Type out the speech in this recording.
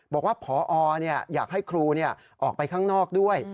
บอกว่าพออยากให้ครูออกไปข้างนอกด้วย